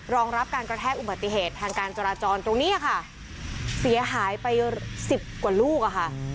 รองรับการกระแทกอุบัติเหตุทางการจราจรตรงนี้ค่ะเสียหายไปสิบกว่าลูกอะค่ะ